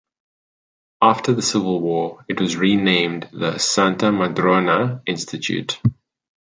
After the civil war it was renamed the Santa Madrona Institute.